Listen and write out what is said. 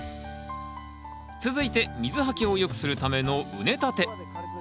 続いて水はけをよくするための畝立て。